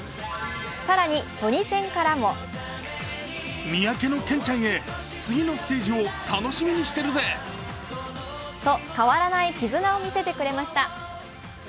更にトニセンからもと、変わらない絆を見せてくれました。